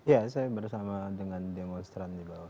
ya saya bersama dengan demonstran di bawah